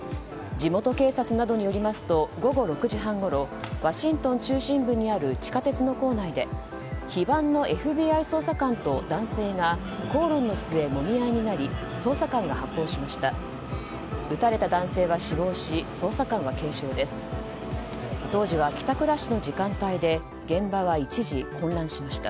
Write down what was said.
地元警察などによりますと午後６時半ごろワシントン中心部にある地下鉄の構内で非番のＦＢＩ捜査官と男性が口論の末、もみ合いになり捜査官が発砲しました。